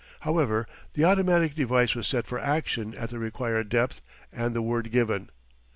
However, the automatic device was set for action at the required depth and the word given.